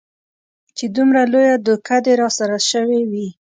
چې دومره لويه دوکه دې راسره سوې وي.